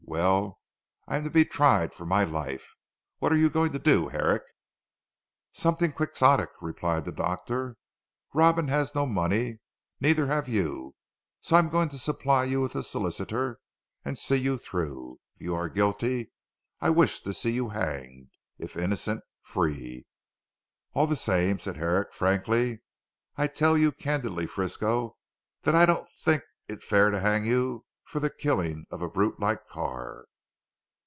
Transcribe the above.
Well I'm to be tried for my life. What are you going to do Herrick?" "Something quixotic," replied the doctor, "Robin has no money, neither have you, so I am going to supply you with a solicitor and see you through. If you are guilty I wish to see you hanged, if innocent free. All the same," said Herrick frankly, "I tell you candidly Frisco, that I don't think it fair to hang you for the killing of a brute like Carr."